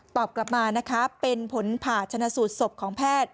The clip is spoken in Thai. กลับมานะคะเป็นผลผ่าชนะสูตรศพของแพทย์